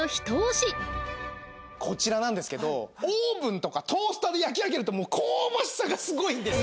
こちらなんですけどオーブンとかトースターで焼き上げると香ばしさがすごいんです。